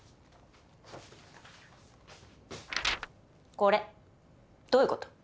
これどういう事？